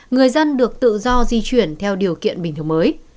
người dân được tự do di chuyển theo điều kiện bình thường mới